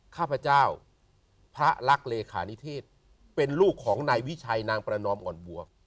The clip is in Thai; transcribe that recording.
ข้าพเจ้าพระรักเลขานิเทศเป็นลูกของนายวิชัยนางประนอมอ่อนบัว